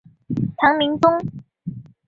唐明宗